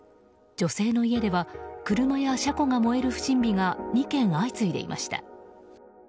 女性の家では車や車庫が燃える不審火が２件、相次いでいました。